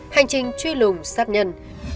hành trình truy lùng sát nhân